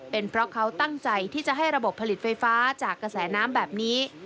เป็นเพราะเขาตั้งใจที่จะให้ระบบผลิตไฟฟ้าจากกระแสน้ำแบบนี้